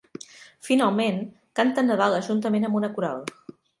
Finalment, canten nadales juntament amb una Coral.